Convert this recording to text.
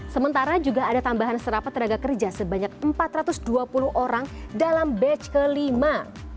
sementara juga ada tambahan serapan tenaga kerja sebanyak empat ratus dua puluh orang dalam batch kelima